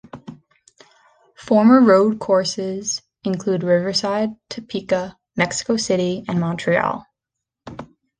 Former road courses include Riverside, Topeka, Mexico City, and Montreal.